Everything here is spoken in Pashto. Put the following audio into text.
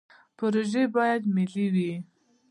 پروژې باید ملي وي